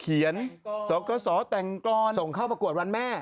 เขียนสอเกาะสอแต่งกรอนส่งเข้าประกวดวันแม่